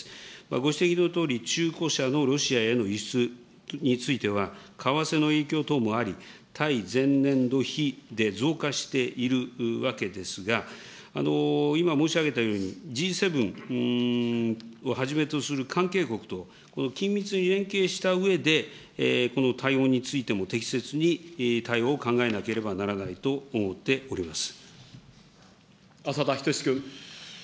ご指摘のとおり、中古車のロシアへの輸出については、為替の影響等もあり、対前年度比で増加しているわけですが、今申し上げたように、Ｇ７をはじめとする関係国と緊密に連携したうえでこの対応についても適切に対応を考えていかなければならないと思っております。